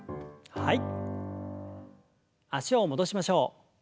はい。